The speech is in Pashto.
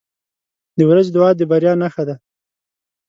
• د ورځې دعا د بریا نښه ده.